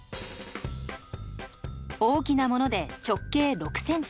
大きなもので直径６センチ。